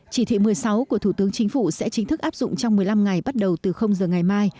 chỉ thị một mươi sáu của thủ tướng chính phủ sẽ chính thức áp dụng trong một mươi năm ngày bắt đầu từ giờ ngày mai